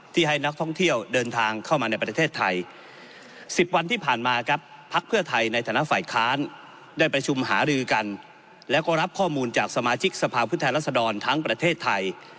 สมาชิกสภาพวิทยาลักษณ์รัฐสลองทั้งประเทศไทย